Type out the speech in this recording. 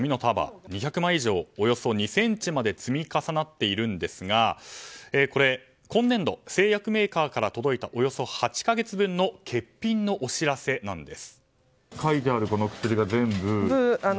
およそ２００枚以上およそ２ｃｍまで積み重なっているんですがこれ今年度、製薬メーカーから届いたおよそ８か月分の欠品のお知らせなんです。